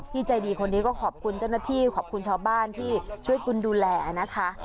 ใจดีคนนี้ก็ขอบคุณเจ้าหน้าที่ขอบคุณชาวบ้านที่ช่วยคุณดูแลนะคะ